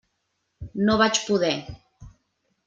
No vaig poder.